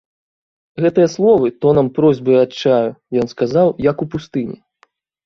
Гэтыя словы, тонам просьбы і адчаю, ён сказаў як у пустыні.